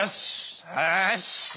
よし！